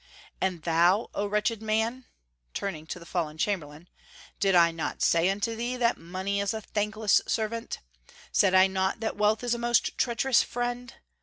And thou, O wretched man," turning to the fallen chamberlain, "did I not say unto thee that money is a thankless servant? Said I not that wealth is a most treacherous friend?